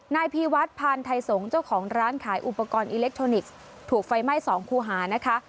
นายพีวัฒน์พานไทยสงศ์เจ้าของร้านขายอุปกรณ์อิเล็กทรอนิกส์ถูกไฟไหม้สองคู่หานะคะ